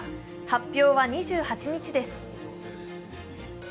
発表は２８日です。